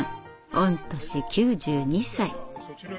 御年９２歳。